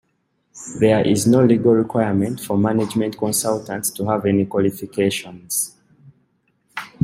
There is no legal requirement for management consultants to have any qualifications.